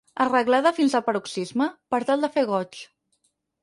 Arreglada fins al paroxisme, per tal de fer goig.